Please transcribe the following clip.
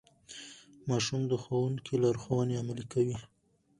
ماشوم د ښوونکي لارښوونې عملي کړې